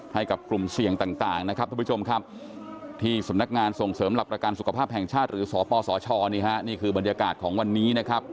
ให้กับกลุ่มเสี่ยงต่างนะครับที่สำนักงานส่งเสริมระปราการสุขภาพแห่งชาติหรือสตปสชนี่คือบรรยากาศของวันนี้นะครับ